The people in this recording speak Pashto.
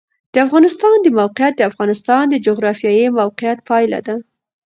د افغانستان د موقعیت د افغانستان د جغرافیایي موقیعت پایله ده.